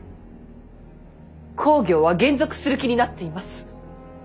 公暁は還俗する気になっています。